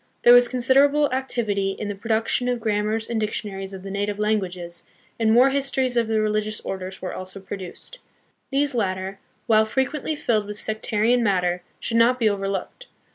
There was considerable activity in the production of grammars and dictionaries of the native languages, and more histories of the religious orders were also produced. These latter, while frequently filled with sectarian matter, should not be overlooked.